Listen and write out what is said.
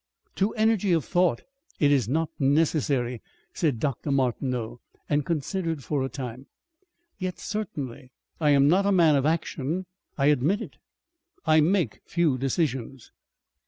"To energy of thought it is not necessary," said Dr. Martineau, and considered for a time. "Yet certainly I am not a man of action. I admit it. I make few decisions."